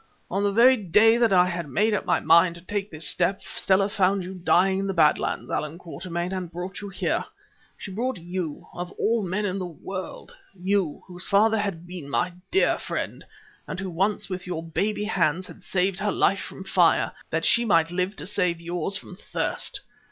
On the very day that I had made up my mind to take this step Stella found you dying in the Bad Lands, Allan Quatermain, and brought you here. She brought you, of all men in the world, you, whose father had been my dear friend, and who once with your baby hands had saved her life from fire, that she might live to save yours from thirst.